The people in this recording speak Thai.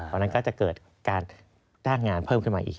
ตอนนั้นก็จะเกิดการนาคมงานเพิ่มกันมาอีก